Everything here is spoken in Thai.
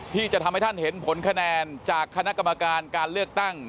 ที่จะทำให้ท่านเห็นผลคะแนนจากคณะกรรมการการเลือกตั้ง